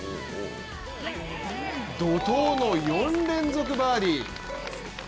怒とうの４連続バーディー。